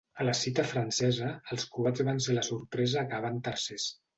A la cita francesa, els croats van ser la sorpresa acabant tercers.